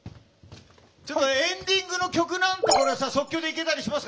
ちょっとエンディングの曲なんてこれさ即興でいけたりしますか？